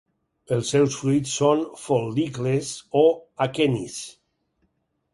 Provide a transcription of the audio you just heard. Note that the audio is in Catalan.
Els seus fruits són fol·licles o aquenis.